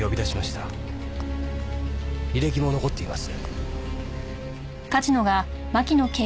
履歴も残っています。